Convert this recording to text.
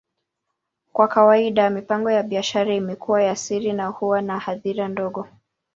Kwa kawaida, mipango ya biashara imekuwa ya siri na huwa na hadhira ndogo.